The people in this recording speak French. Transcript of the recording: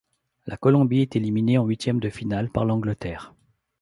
La Colombie est éliminée en huitièmes de finale par l'Angleterre.